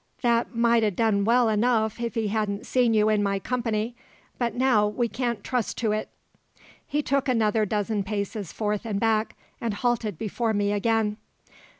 "That might ha' done well enough if he hadn' seen you in my company; but now we can't trust to it." He took another dozen paces forth and back, and halted before me again.